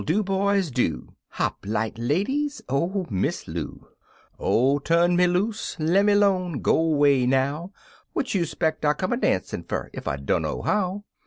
Do, boys, do! Hop light, ladies, Oh, Miss Loo! Oh, tu'n me loose I Lemme 'lone I Go 'way, now I Wat you speck I come a dancin' fer ef I dunno how?